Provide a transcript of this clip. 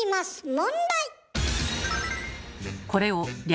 問題！